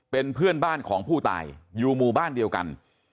เป็นเพื่อนบ้านของผู้ตายอยู่หมู่บ้านเดียวกัน